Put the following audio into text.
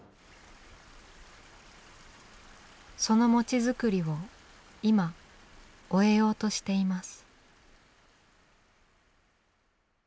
その餅作りを今終えようとしています。